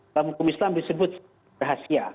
dalam hukum islam disebut rahasia